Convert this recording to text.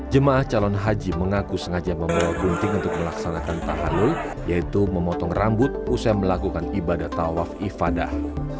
jemaah calon haji mengaku sengaja membawa gunting untuk melaksanakan tahalul yaitu memotong rambut usai melakukan ibadah tawaf ifadah